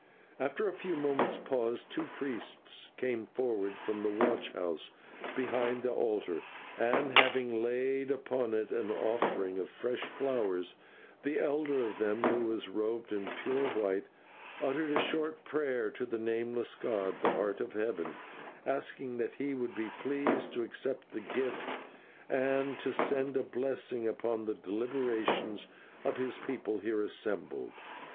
After a few moments' pause, two priests came forward from the watch house behind the altar, and, having laid upon it an offering of fresh flowers, the elder of them, who was robed in pure white, uttered a short prayer to the Nameless god, the Heart of Heaven, asking that he would be pleased to accept the gift, and to send a blessing upon the deliberations of his people here assembled.